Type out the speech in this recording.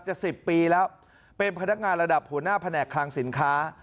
สิบปีแล้วเป็นพนักงานระดับหัวหน้าแผนกคลังสินค้า